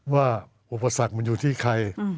ว่าอุปสรรคมันอยู่ที่ใคร